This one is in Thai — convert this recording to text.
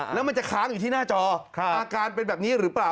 แล้วมันจะค้างอยู่ที่หน้าจออาการเป็นแบบนี้หรือเปล่า